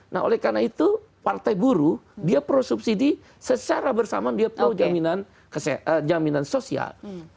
nah oleh karena itu partai buruh dia prosubsidi secara bersamaan dia pro jaminan sosial